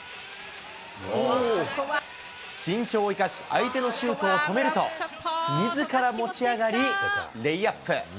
身長を生かし相手のシュートを止めると、みずから持ち上がり、レイアップ。